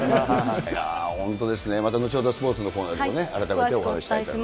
いやー、本当ですね、また後ほど、スポーツのコーナーでも改めてお伺いしたいと思います。